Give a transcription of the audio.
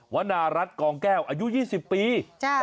วนารัฐกองแก้วอายุ๒๐ปี